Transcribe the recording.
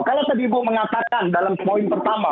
karena tadi bu mengatakan dalam poin pertama